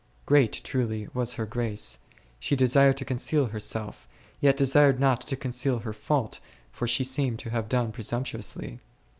Great, truly, was her grace ; she desired to conceal herself, yet desired not to conceal her fault, for she seemed to have done presumptuously.